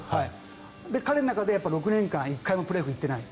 彼の中で６年間１回もプレーオフ行ってない。